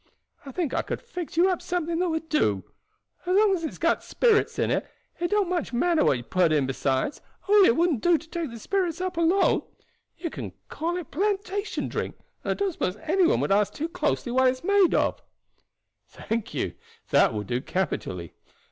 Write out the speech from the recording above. I think I could fix you up something that would do. As long as it has got spirits in it, it don't much matter what you put in besides, only it wouldn't do to take spirits up alone. You can call it plantation drink, and I don't suppose any one would ask too closely what it's made of." "Thank you, that will do capitally."